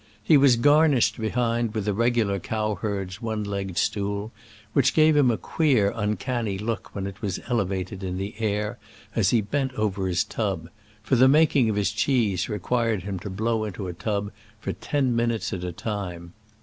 He was garnished behind with a regular cowherd's one legged stool, which gave him a queer, uncanny look when it was elevated in the air as he bent over into his tub, for the* making of his cheese required him to blow into a tub for ten minutes at a time.